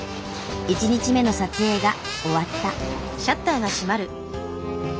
１日目の撮影が終わった。